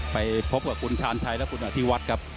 ไปพบกับคุณชาญชัยและคุณอธิวัฒน์ครับ